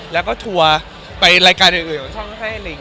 แล้วก็ทัวร์ไปรายการอื่นของช่องให้ลิง